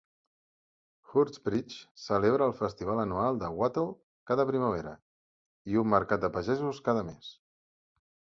Hurstbridge celebra el festival anual de Wattle cada primavera, i un mercat de pagesos cada mes.